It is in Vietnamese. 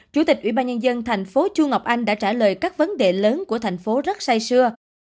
chủ tịch ủy ban nhân dân thành phố chu ngọc anh đã trả lời các vấn đề lớn của thành phố rất xay xưa